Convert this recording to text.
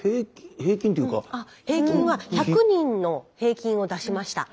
平均は１００人の平均を出しました。